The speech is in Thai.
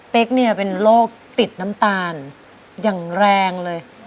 เนี่ยเป็นโรคติดน้ำตาลอย่างแรงเลย